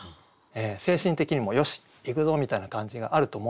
精神的にも「よしいくぞ！」みたいな感じがあると思うんですよね。